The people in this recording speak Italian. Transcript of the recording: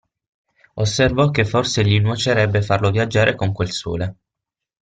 Osservò che forse gli nuocerebbe farlo viaggiare con quel sole.